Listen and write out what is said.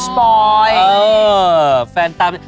โอ้โหโดนสปอย